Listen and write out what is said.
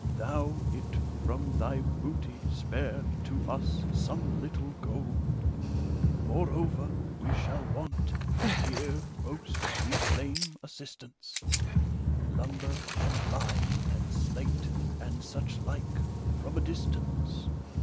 Thou It from thy booty spare to us some little gold. Moreover, we shall want — ^here, most, we claim assis tance — Lumber, and lime, and slate, and such like, from a distance.